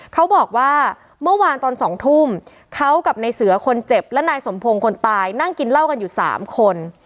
เขาบอกว่าเมื่อวานตอน๒ทุ่มเขากับในเสือคนเจ็บและนายสมพงศ์คนตายนั่งกินเหล้ากันอยู่๓คน